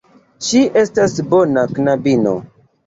Ŝi estas bona knabino.